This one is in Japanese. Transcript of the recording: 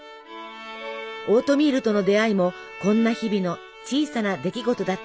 オートミールとの出会いもこんな日々の小さな出来事だったのかもしれません。